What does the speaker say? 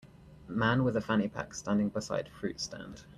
Man with a fanny pack standing beside fruit stand.